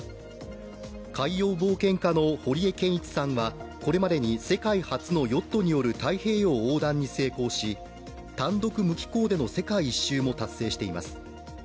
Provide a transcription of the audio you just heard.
海洋冒険家の堀江謙一さんはこれまでに世界初のヨットによる太平洋横断に成功し単独・無寄港での世界一周も達成しています。